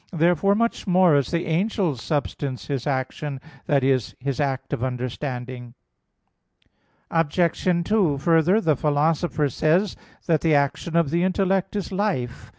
Therefore much more is the angel's substance his action that is, his act of understanding. Obj. 2: Further, the Philosopher says (Metaph. xii, text 39) that "the action of the intellect is life."